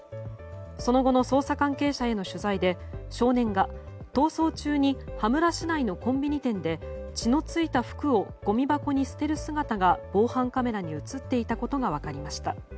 その後の捜査関係者への取材で少年が逃走中に羽村市内のコンビニ店で血の付いた服をごみ箱に捨てる姿が防犯カメラに映っていたことが分かりました。